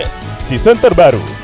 lima s season terbaru